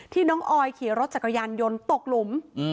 น้องออยขี่รถจักรยานยนต์ตกหลุม